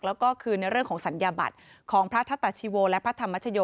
แล้วก็คือในเรื่องของศัลยบัตรของพระธตาชีโวและพระธรรมชโย